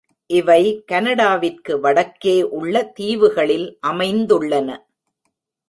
இவை கனடா விற்கு வடக்கே உள்ள தீவுகளில் அமைந்துள்ளன.